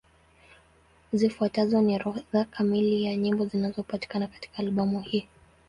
Zifuatazo ni orodha kamili ya nyimbo zinapatikana katika albamu hii.